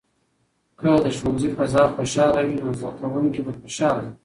که د ښوونځي فضا خوشحاله وي، نو زده کوونکي به خوشاله وي.